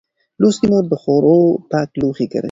لوستې مور د خوړو پاک لوښي کاروي.